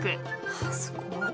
あすごい。